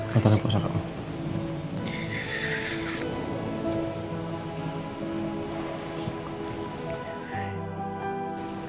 batalkan paksa kamu